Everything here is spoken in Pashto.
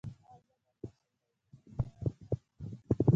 ایا زه باید ماشوم ته ویټامینونه ورکړم؟